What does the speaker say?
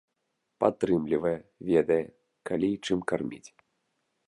Падтрымлівае, ведае, калі і чым карміць.